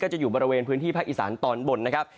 จะอยู่บริเวณพื้นที่ภาคอีสานตอนบนนะครับ